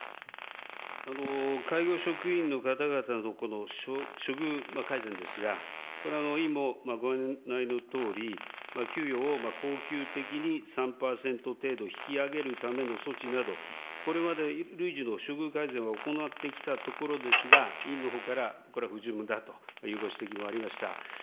介護職員の方々の、この処遇改善ですが、これ、委員もご案内のとおり、給与を恒久的に３％程度引き上げるための措置など、これまで、累次の処遇改善は行ってきたところですが、委員のほうからこれは不十分だというご指摘もありました。